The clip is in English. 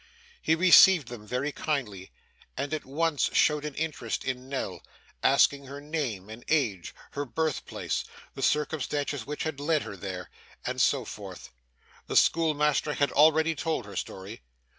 He received them very kindly, and at once showed an interest in Nell; asking her name, and age, her birthplace, the circumstances which had led her there, and so forth. The schoolmaster had already told her story.